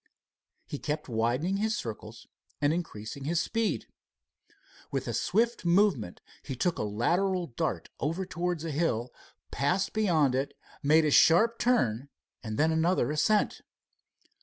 He kept widening his circles and increasing his speed. With a swift movement he took a lateral dart over towards a hill, passed beyond it, made a sharp turn, and then another ascent.